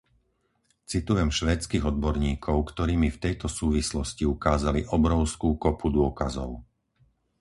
Citujem švédskych odborníkov, ktorí mi v tejto súvislosti ukázali obrovskú kopu dôkazov.